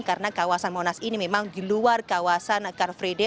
karena kawasan monas ini memang di luar kawasan car free day